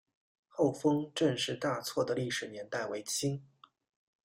厚丰郑氏大厝的历史年代为清。